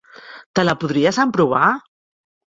Te la podries emprovar?